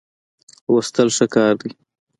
لوستل ښه کار دی.